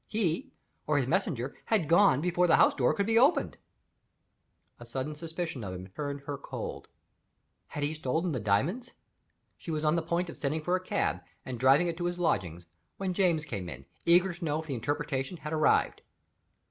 He (or his messenger) had gone before the house door could be opened! A sudden suspicion of him turned her cold. Had he stolen the diamonds? She was on the point of sending for a cab, and driving it to his lodgings, when James came in, eager to know if the interpretation had arrived.